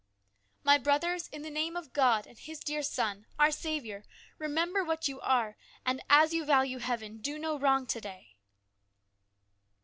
" My brothers, in the name of God and His dear Son, our Saviour, remember what you are, and as you value heaven, do no wrong to day."